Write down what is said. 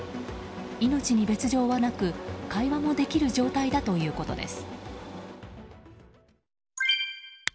命に別条はなく会話もできる状態だということです。